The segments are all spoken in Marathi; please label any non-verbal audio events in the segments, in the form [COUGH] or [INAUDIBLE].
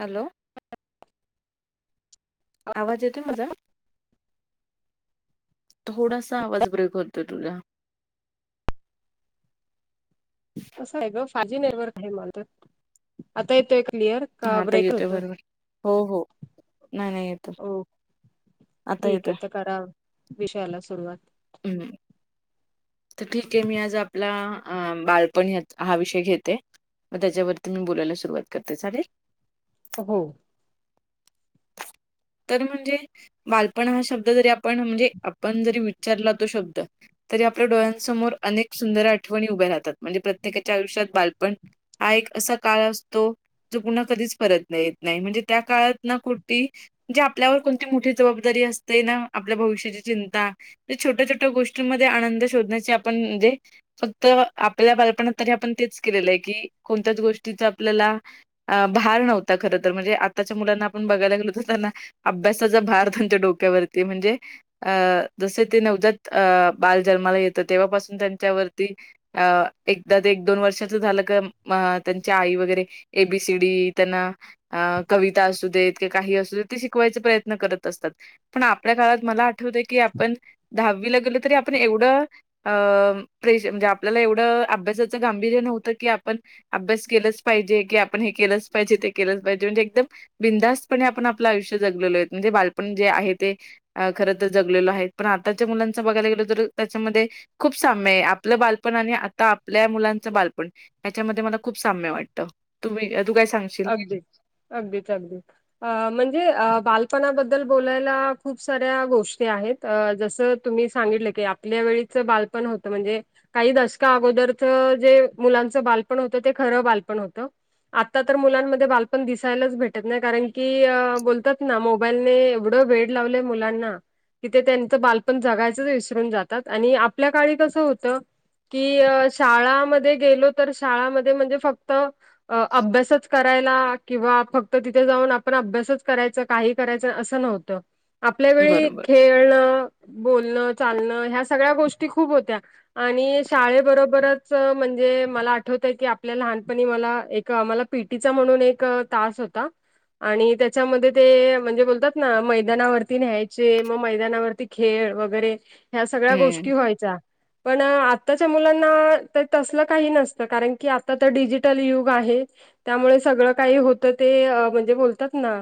हॅलो, आवाज येतोय माझा? थोडासा आवाज, ब्रेक होतो तुझा. असं य ग, फाजी नेटवर्क हाय मालत, आता येतोय क्लिअर? का हां, आता ब्रेक येतोय होतोय? बरोबर, हो-हो, नाही-नाही, येतो. ओ आता ठीक ये येतोय. त कराव, विषयाला सुरुवात. ह्म. त ठीक ये, मी आज आपला, अ बाळपण यात, हा विषय घेते. म त्याच्यावरती, मी बोलायला सुरुवात करते, चालेल? अ हो. तर म्हणजे बालपण हा शब्द, जरी आपण, म्हणजे आपण जरी विच्चरला तो शब्द, तरी आप पल्या डोळ्यांसमोर, अनेक सुंदर आठवणी उभ्या राहतात, म्हणजे प्रत्येकाच्या आयुष्यात, बालपण हा एक, असा काळ असतो जो पुन्हा, कधीच परत नही येत नाही, म्हणजे त्या काळात ना कुडती जे आपल्यावर, कोणती मोठी जबाबदारी असते ना, आपल्या भविष्याची चिंता छोट्या-छोट्या गोष्टींमध्ये, आनंद शोधण्याची आपण, म्हणजे फक्त आपल्या बालपणात, तरी आपण तेच केलेलं य की, कोणत्याच गोष्टीच आपल्याला भार नव्हता खर तर, म्हणजे आताच्या मुलांना आपण बघायला गेलो, तर त्यांना अभ्यासाचा भार, त्यांच्या डोक्यावरती, म्हणजे अ जसे ते नवजात, अ बाल जन्माला येत, तेव्हापासून त्यांच्यावरती अ एकदा, ते एक-दोन वर्षाच झालं का, मं अ त्यांची आई वगैरे एबी सी डी, त्यांना अ कविता असू देत, की काही असू देत, ते शिकवायचे प्रयत्न करत असतात. पण आपल्या काळात, मला आठवतं की आपण, दहावीला गेलो, तरी आपण एवढं अं प्रेश, म्हणजे आपल्याला एवढं, अभ्यासाचं गांभीर्य नव्हतं की, आपण अभ्यास केलच पाहिजे, की आपण हे केलंच पाहिजे, ते केलंच पाहिजे, म्हणजे एकदम बिंदासपणे, आपण आपलं आयुष्य जगलेलो ये, म्हणजे बालपण जे आहे, ते खर तर जगलेलो आहे, पण आताच्या मुलांच बघायला गेलो तर त्याच्यामध्ये, खूप साम्य ये, आपलं बालपण आणि आता आपल्या मुलांचं बालपण याच्यामध्ये, मला खूप साम्य वाटतं, तुमी-तू काय स अगदी, अगदीच, अगदी अ म्हणजे अ बालपणाबद्दल बोलायला, खूप साऱ्या गोष्टी आहेत. अ जसं तुम्ही सांगितलं की, आपल्या वेळीच बालपण होतं, म्हणजे काही दशका अगोदरच, जे मुलांचं बालपण होतं, ते खरं बालपण होतं. आता तर मुलांमध्ये, बालपण दिसायलाच भेटत नाही, कारण की बोलतात ना, मो बायलने एवढं, वेड लावलंय, मुलांना. कि, ते त्यांचं बालपण जगायचंच विसरून जातात, आणि आपल्या काळी कसं होतं? की शाळामध्ये गेलो तर, शाळामध्ये म्हणजे फक्त, अ अभ्यासच करायला किंवा फक्त तिथे जाऊन, आपण अभ्यासच करायचं, काही करायचं, असं नव्हतं. आपल्या वेळी, बरोबर. खेळणं, बोलणं, चालणं ह्या सगळ्या गोष्टी खूप होत्या. आणि शाळेबरोबरच, म्हणजे मला आठवतय की, आपल्या लहानपणी मला, एक क् आम्हाला पीटीचा म्हणून, एक तास होता. आणि त्याच्यामध्ये ते, म्हणजे बोलतात ना, मैदानावरती न्यायचे, मग मैदानावरती खेळ वगैरे, ह्या सगळ्या हं. गोष्टी व्हायच्या, पण आ ताच्या मुलांना, ते तसल काही नसतं, कारण की, आता ते डिजिटल युग आहे, त्यामुळे सगळं काही होत ते म्हणजे बोलतात ना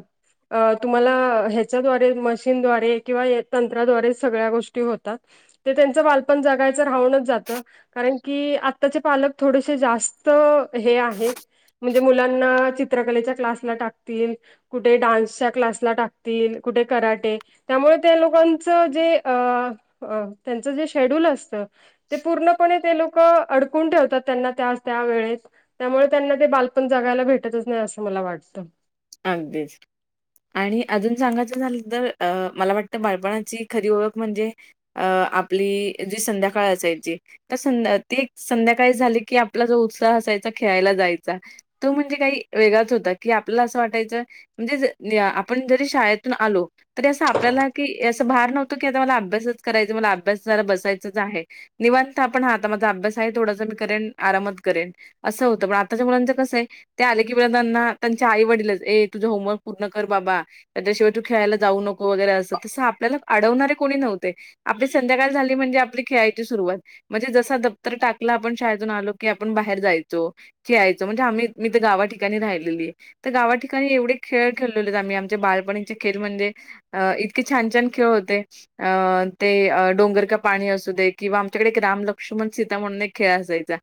अ तुम्हाला ह्याच्याद्वारे मशिनद्वारे किंवा तंत्राद्वारे सगळ्या गोष्टी होतात. ते त्यांचं बालपण जगायचं राहूनच जात. कारण की आत्ताचे पालक थोडेसे जास्त हे आहेत. म्हणजे मुलांना चित्रकलेच्या क्लासला टाकतील. कुठे डान्सच्या क्लासला टाकतील. कुठे कराटे त्यामुळे त्या लोकांचं जे त्यांचं जे शेड्यूल असतं. ते पूर्णपणे ते लोक अडकून ठेवतात. त्यांना त्याच त्या वेळेत त्यामुळे त्यांना ते बालपण जगायला भेटतच नाही असं मला वाटतं अगदीच आणि अजून सांगायचं झालं तर मला वाटत बालपणाची खरी ओळख म्हणजे. अ आपली जी संध्याकाळ असायची. तर संध्या ती एक संध्याकाळी झाली की आपला जो उत्साह असायचा खेळायला जायचा. तो म्हणजे काही वेगळाच होता कि आपल्याला असं वाटायचं म्हणजे जर आपण जरी शाळेतून आलो. तरी असं आपल्याला की असं भार नव्हत. की आता मला अभ्यासच करायच. मला अभ्यासाला बसायचंच आहे. निवांत आपण हा आता माझा अभ्यास आहे. थोडासा मी करेन आरामात करेन. असं होतं पण आताच्या मुलांचं कसं आहे. ते आले की मुलांना त्यांच्या आई वडीलं ए तुझं होमवर्क पूर्ण कर बाबा. त्याच्याशिवाय तू खेळायला जाऊ नको वगैरे अस. तसं आपल्याला अडवणारे कोणी नव्हते. आपली संध्याकाळ झाली म्हणजे. आपली खेळायची सुरुवात. म्हणजे जस दप्तर टाकल. आपण शाळेतून आलो की आपण बाहेर जायचो. खेळायचो म्हणजे आम्ही मी तर गावा ठिकाणी राहिलेली आहे तर गावा ठिकाणी एवढे खेळ खेळलेलो आहे. आम्ही आमच्या बालपणीचे खेळ म्हणजे अ इतके छान छान खेळ होते. अ ते डोंगर का पाणी असू दे किंवा आमच्याकडे एक राम लक्ष्मण सीता म्हणून एक खेळ असायचा.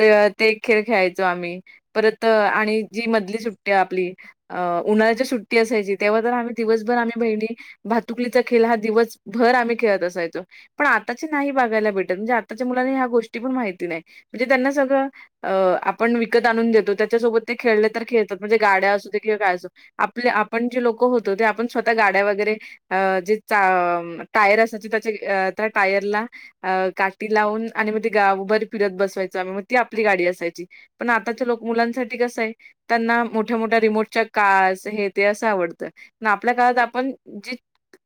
ते एक खेळ खेळायचो आम्ही परत आणि जी मधली सुट्टी ते आपली उन्हाळ्याची सुट्टी असायची तेव्हा तर आम्ही दिवसभर आम्ही बहिणी भातुकली भातुकलीचा खेळ हा दिवसभर आम्ही खेळत असायचो. पण आत्ताची नाही बघायला भेटत म्हणजे. आताच्या मुलांनी ह्या गोष्टी पण माहिती नाही. म्हणजे त्यांना सगळं अ आपण विकत आणून देतो त्याच्यासोबत ते खेळले तर खेळ खेळतात. म्हणजे गाड्या असूदे किंवा काय असो आपले आपण जे लोक होतो. ते आपण स्वतः गाड्या वगैरे अ जे चा टायर असायचे त्याचे त्या टायरला अ काठी लावून आणि मग ते गावभर भिरत बसवायचो आम्ही मग ती आपली गाडी असायची. पण आताचे लोक मुलांसाठी कसं हाय. त्यांना मोठ्या मोठ्या रिमोटच्या कार्स हे ते असं आवडतं. ना आपल्या काळात आपण जी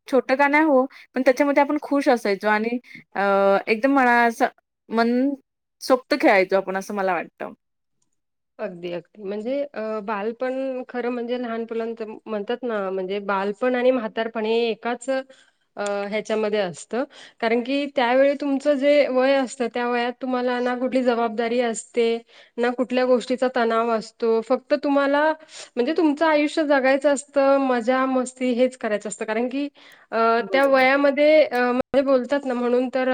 छोटं का नाय हो पण त्याच्यामध्ये आपण खुश असायचो. आणि अ एकदम म्हणा असं मनसोक्त खेळायचो. आपण असं मला वाटतं अगदी अगदी म्हणजे बालपण खरं म्हणजे लहान मुलांच म्हणतात. ना म्हणजे बालपण आणि म्हातारपण हे एकाच ह्याच्यामध्ये असतं कारण की त्यावेळी तुमचं जे वय असतं. त्या वयात तुम्हाला ना कुठली जबाबदारी असते. ना कुठल्या गोष्टीचा तणाव असतो. फक्त तुम्हाला म्हणजे तुमचं आयुष्य जगायचं असतं. मजा मस्ती हेच करायचं असतं. कारण की अ त्या बरोबर वयामध्ये. [INAUDIBLE] काही बोलतात ना म्हणून तर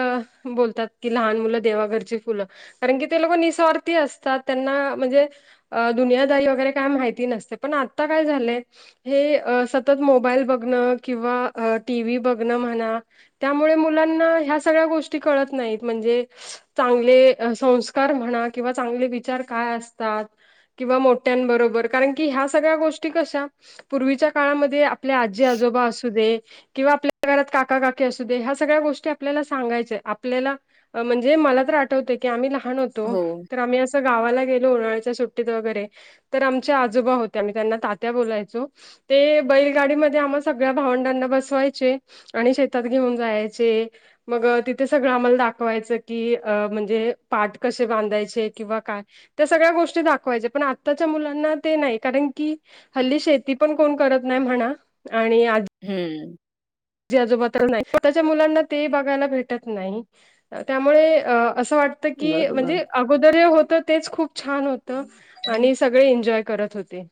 बोलतात की लहान मुलं देवाघरची फुलं कारण की ते लोक निःस्वार्थी असतात. त्यांना म्हणजे अ दुनियादारी वगैरे काय माहिती नसते पण आता काय झालंय हे सतत मोबाईल बघणं किंवा टीव्ही बघणं म्हणा त्यामुळे मुलांना ह्या सगळ्या गोष्टी कळत नायत. म्हणजे चांगले संस्कार म्हणा किंवा चांगले विचार काय असतात. किंवा मोठ्यांबरोबर कारण की ह्या सगळ्या गोष्टी कशा पूर्वीच्या काळामध्ये आपले आजी आजोबा असूदे किंवा आपल्या घरात काका काकी आसूदे ह्या सगळ्या गोष्टी आपल्याला सांगायचय आपल्याला म्हणजे मला तर आठवतं की आम्ही लहान होतो हो तर आम्ही अस गावाला गेलो उन्हा्याच्या सुट्टीत वगैरे तर आमच्या आजोबा होते आम्ही त्यांना तात्या बोलायचो. ते बैलगाडीमध्ये आम्हा सगळ्या भावंडांना बसवायचे. आणि शेतात घेऊन जायचे. मग तिथे सगळं आम्हाला दाखवायचं की म्हणजे पाठ कशे बांधायचे किंवा काय त्या सगळ्या गोष्टी दाखवायचे पण आत्ताच्या मुलांना ते नाय. कारण की हल्ली शेती पण कोण करत नाय म्हणा. आणि आज हम्म. जी आजोबा तर नाय. स्वतःच्या मुलांना ते बघायला भेटत नाय त्यामुळे असं वाट त की बरोबर. म्हणजे गोदरे जे होत तेच खूप छान होत आणि सगळे एन्जॉय करत होते.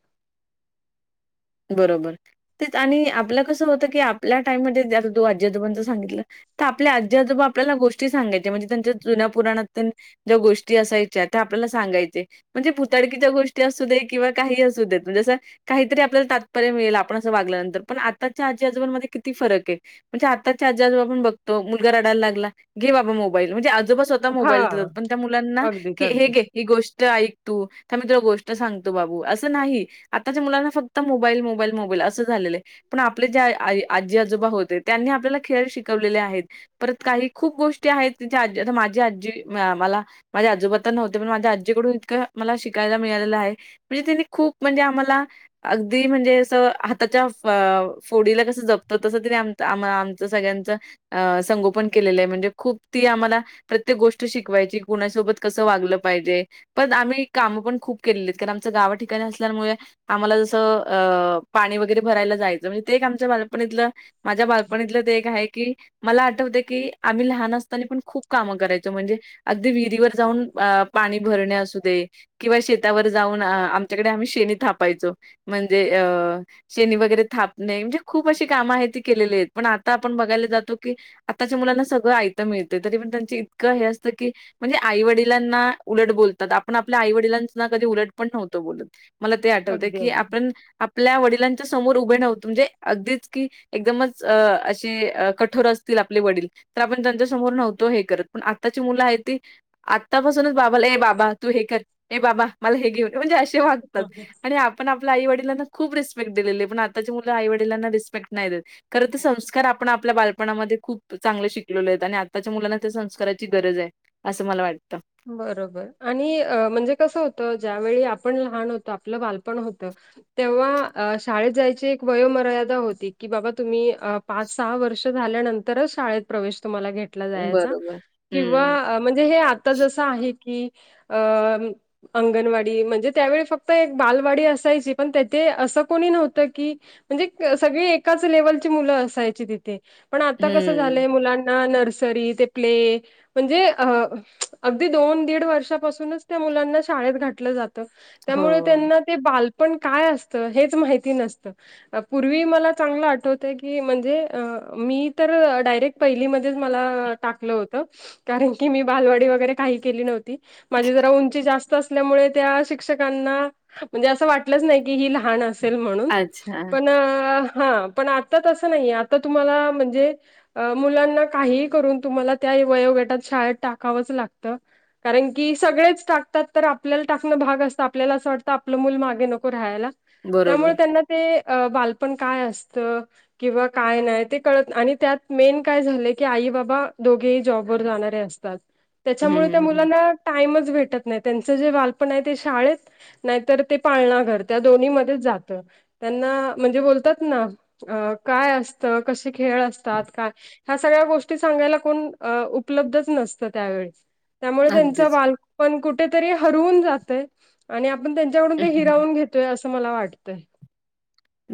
बरोबर तेच आणि आपलं कसं होतं की आपल्या टाइम मध्ये आता तू आजी आजोबांच सांगितलं त आपल्या आजी आजोबा आपल्याला गोष्टी सांगायचे म्हणजे त्यांच्या जुन्या पुराणात ज्या गोष्टी असायच्या त्या आपल्याला सांगायचे. म्हणजे भुताडकीच्या गोष्टी असूदे किंवा काही असूदेत म्हणजे काहीतरी आपल्याला तात्पर्य मिळेल आपण असं वागल्यानंतर पण आताच्या आजी आजोबामध्ये किती फरक ए. म्हणजे आताच्या आजी आजोबा आपण बघतो मुलगा रडायला लागला घे बाबा मोबाईल. म्हणजे आजोबा स्वतः हा मोबाईल देतात पण त्या मुलांना अगदीच की हे गे अगदीच ही गोष्ट ऐकतू थांबतमी तुला गोष्ट सांगतो बाबू असं नाही आताच्या मुलांना फक्त मोबाईल मोबाईल मोबाईल असं झालेलं आय. पण आपले जे आय आजी आजोबा होते त्यांनी आपल्याला खेळ शिकवलेले आहेत. परत काही खूप गोष्टी आहेत आजी आता माझी आजी मला माझे आजोबा तर नव्हते पण माझ्या आजीकडून इतकं मला शिकायला मिळालेलं आहे. म्हणजे त्यांनी खूप म्हणजे आम्हाला अगदी म्हणजे अस हाताच्या फोडीला कसं जपतं तसं तेनी आ -आमच सगळ्यांच अ संगोपन केलेलं आय. म्हणजे खूप ती आम्हाला प्रत्येक गोष्ट शिकवायची की कुणासोबत कसं वागलं पाहिजे. पण आम्ही कामं पण खूप केलेली एत कारण आमच गावा ठिकाणी असल्यामुळे आम्हाला जस अस पाणी वगैरे भरायला जायचं म्हणजे ते आमच्या बालपणीतलं माझ्या बालपणीतलं ते एक हाय की मला आठवते की आम्ही लहान असतानी पण खूप कामं करायचो. म्हणजे अगदी विहिरीवर जाऊन अ पाणी भरणे असूदे. किंवा शेतावर जाऊन आमच्याकडे आम्ही शेणी थापायचो म्हणजे अ शेनी वगैरे थापणे म्हणजे खूप अशी कामं आहेत ती केलेली आहेत. पण आता आपण बघायला जातो की आताच्या मुलांना सगळं आयत मिळते तरी पण त्यांच इतकं हे असतं की म्हणजे आई वडिलांना उलट बोलतात आपण आपल्या आई वडिलांना कधी उलट पण नव्हतो बोलत. मला ते आठवतय अगदी की अगदी. आपण आपल्या वडिलांच्या समोर उभे नव्हतो म्हणजे अगदीच की एकदमच अ- अशे कठोर असतील आपले वडील. तर आपण त्यांच्या समोर नव्हतो, हे करत पण आत्ताची मुलं आहे ती आत्तापासूनच बाबाला ए बाबा तू हे कर ए बाबा मला हे घेऊन म्हणजे असे वागतात हं हं. आणि आपल आई वडीलांना खूप रिस्पेक्ट, दिलेले, पण आताच्या मुल आई वडीलांना रिस्पेक्ट, नाही देत. खरं ते संस्कार आपण आपल्या बालपणामध्ये खूप चांगले शिकलेलो, आहेत आणि आत्ताच्या, मुलांना त्या संस्काराची गरज आहे. असं मला वाटतं. बरोबर आणि म्हणजे कसं होतं ज्यावेेळी आपण लहान होत आपलं बालपण होतं. तेव्हा शाळेत जायची एक वयोमर्यादा होती की बाबा तुम्ही पाच सहा वर्ष झाल्यानंतरच शाळेत प्रवेश तुम्हाला घेतला जायचा बरोबर. किंवा हं, अ म्हणजे हे आता जसं आहे की अ अंगणवाडी म्हणजे त्यावेळी फक्त एक बालवाडी असायची पण तेथे असं कोणी नव्हतं की म्हणजे सगळी एकाच लेवलची मुलं असायची तिथे. पण आता कसं हं. झालंय मुलांना नर्सरी ते प्ले म्हणजे अ अगदी दोन दीड वर्षापासूनच त्या मुलांना शाळेत घातलं जातं त्यामुळे हो. त्यांना ते बालपण काय असतं हेच माहिती नसतं. पूर्वी मला चांगलं आठवतय की म्हणजे मी तर डायरेक्ट पहिली मध्येच मला टाकलं होत कारण की मी बालवाडी वगैरे काही केली नव्हती माझी जरा उंची जास्त असल्यामुळे त्या शिक्षकाना म्हणजे अस वाटलच नाही की लहान सेल म्हणून अच्छा. पण हा पण आता तसं नाहीये आता तुम्हाला म्हणजे अ मुलांना काहीही करून तुम्हाला त्या वयोगटात शाळेत टाकावंच लागत. [INAUDIBLE] [UNINTELLIGIBLE] कारण की सगळेच टाकतात तर आपल्याला टाकणं भाग असतं आपल्याला असं वाटतं आपलं मूल मागे नको राहायला. त्यामुळे बरोबर. त्यांना ते बालपण काय असत किंवा काय नाही ते कळत आणि त्यात मेन काय झालंय की आई बाबा दोघेही जॉबवर जाणारे असतात. हं, त्याच्यामुळे त्या हं, हं. मुलांना टाइमच भेटत नाही त्यांचं जे बालपण आहे ते शाळेत नाहीतर ते पाळणा घर त्या दोन्ही मध्येच जात त्यांना म्हणजे बोलतात ना अ काय असतं कसे खेळ असतात काय ह्या सगळ्या गोष्टी सांगायला कोण उपलब्धच, नसतं त्यावेळीस. त्यामुळे त्यांच अगदीच. बालपण कुठेतरी हरवून जातय आणि आपण त्यांच्याकडून हं, ते हं. हिरावून घेत ते असं मला वाटतंय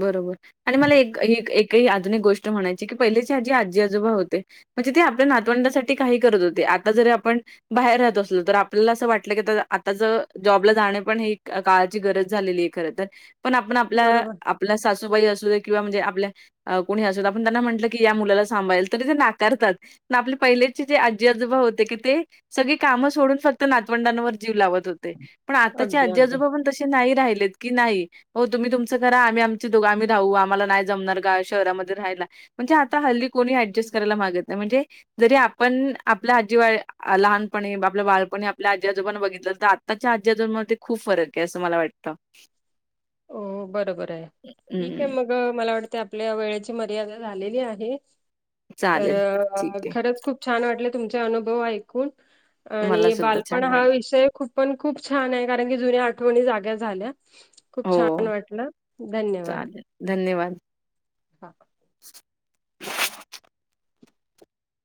बरोबर आणि मला एक ह एकही आधुनिक, गोष्ट म्हणायची की पहिलेची आजी आजी आजोबा होते, म्हणजे ते आपल्या नातवंडासाठी काही करत होते आता जरी आपण बाहेर राहत असल तर आपल्याला असं वाटलं की आता ज जॉबला जाणं पण हे काळाची गरज झालेली, खर तर पण आपण आपला बरोबर आपला सासूबाई असू दे किंवा म्हणजे आपल्या कोणी असत आपण त्यांना म्हटलं की या मुलाला सांभाळेल तरी ते नाकारतात. आपले पहिलेचे जे आजी आजोबा होते की ते सगळी कामं सोडून फक्त नातवंडांवर जीव लावत होते पण आताचै, अगदी आजी, अगदी आजोबा, पण तसे नाही राहिलेत की नाही तुम्हीबा तुम खरा आम्ही आमचे दोघं आम्ही राहू आम्हाला नाही जमणार ग शहरामध्ये राहायला, म्हणजे आता हल्ली कोणी ऍडजस्ट, करायला मागत नाही म्हणजे जरी आपण आपल्या आजीवा लहानपणी आपल्या बाळपणी आपल्या आजी आजोबांना बघितलं तर आत्ताच्या आजीजोबामध्ये ते खूप फरक आहे असं मला वाटत तर [UNINTELLIGIBLE] हो बरोबर आहे ठीक आहे हं, मग,, ह मला वाटते आपल्या वेळेची मर्यादा झालेली आहे, तर चालेल. ठीक आहे. खरंच खूप छान वाटले तुमचे अनुभव ऐकून मला आणि सुद्धा बालपण छान हा वाटलं. विषय खूप पण खूप छान आहे कारण की जुन्या आठवणी जाग्या झाल्या खूप हो, छान वाटलं धन्यवाद. चालेल. धन्यवाद. हा.